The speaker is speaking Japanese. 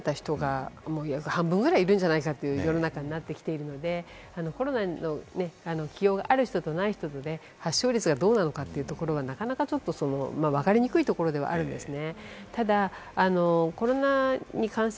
コロナにもかかられた人が半分ぐらいいるんじゃないかという世の中になってきているので、コロナの既往がある人とない人で発症率がどうなのかというところはなかなか分かりにくいところではあるんですね。